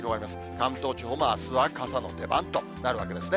関東地方もあすは傘の出番となるわけですね。